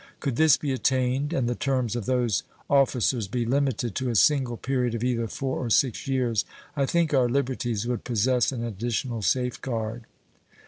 Could this be attained, and the terms of those officers be limited to a single period of either four or six years, I think our liberties would possess an additional safeguard.